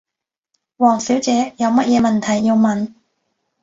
王小姐，有乜嘢問題要問？